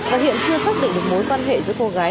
và hiện chưa xác định được mối quan hệ giữa cô gái